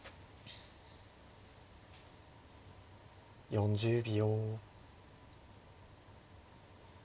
４０秒。